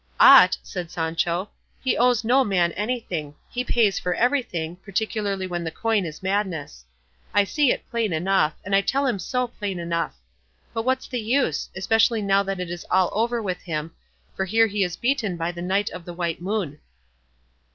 "Ought!" said Sancho; "he owes no man anything; he pays for everything, particularly when the coin is madness. I see it plain enough, and I tell him so plain enough; but what's the use? especially now that it is all over with him, for here he is beaten by the Knight of the White Moon."